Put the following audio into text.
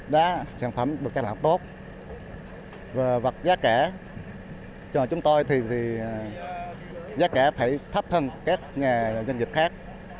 đá sản phẩm được trang lãng tốt và vật giá kẻ cho chúng tôi thì giá kẻ phải thấp hơn các nhà doanh nghiệp khác